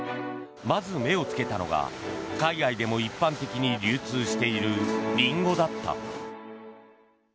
まず目をつけたのが海外でも一般的に流通しているリンゴだった。